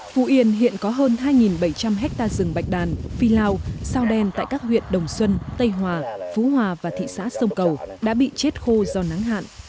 phú yên hiện có hơn hai bảy trăm linh hectare rừng bạch đàn phi lao sao đen tại các huyện đồng xuân tây hòa phú hòa và thị xã sông cầu đã bị chết khô do nắng hạn